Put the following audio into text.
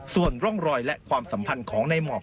ส่วนร่องรอยและความสัมพันธ์ของในหมอก